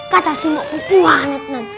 kata semua bukuannya teman